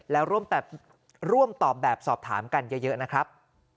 แล้วร่วมตอบแบบสอบถามกันเยอะนะครับ